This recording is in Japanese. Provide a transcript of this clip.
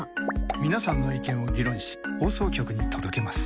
皆さんの意見を議論し放送局に届けます。